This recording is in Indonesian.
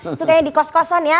itu kayaknya di kos kosan ya